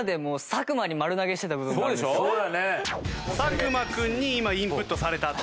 作間君に今インプットされたと。